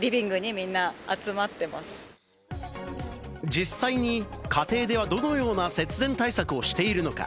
実際に家庭ではどのような節電対策をしているのか。